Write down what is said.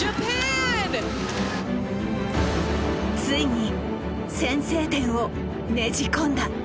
ついに先制点を捻じ込んだ。